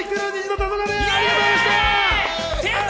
虹の黄昏、ありがとうございました。